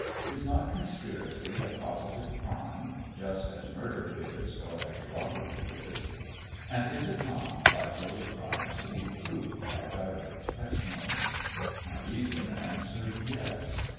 Is not conspiracy a positive crime, just as murder is, or as robbery is ; and is it not, like those crimes, to be proved by direct testimony ? My reason answered, yes.